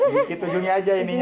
dikit ujungnya aja ini